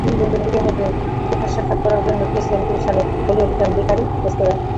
তিন বন্ধু নিজেদের মধ্যে দেখাসাক্ষাৎ করার জন্য গিয়েছিলেন গুলশানের হলি আর্টিজান বেকারি রেস্তোরাঁয়।